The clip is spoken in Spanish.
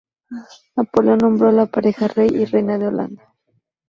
Napoleón nombró a la pareja rey y reina de Holanda.